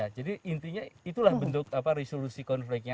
ya jadi intinya itulah bentuk resolusi konfliknya